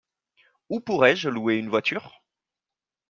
Où pourrais-je louer une voiture ?